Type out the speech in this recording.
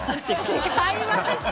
違います。